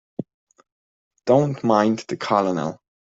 Don't mind the Colonel.